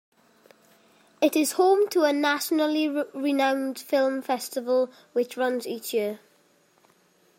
It is home to a nationally renowned film festival which runs each year.